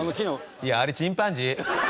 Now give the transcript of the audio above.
いやあれチンパンジー！